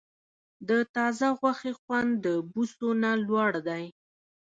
د تازه غوښې خوند د بوسو نه لوړ دی.